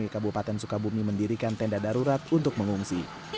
dan tni kabupaten sukabumi mendirikan tenda darurat untuk mengungsi